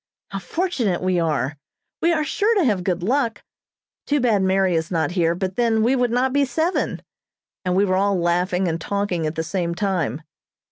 How fortunate we are. We are sure to have good luck. Too bad Mary is not here, but then we would not be seven," and we were all laughing and talking at the same time.